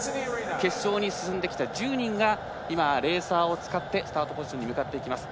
決勝に進んできた１０人がレーサーを使ってスタートポジションに向かっていきます。